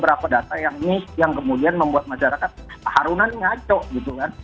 apa data yang ini yang kemudian membuat masyarakat pak haruna nyaco gitu kan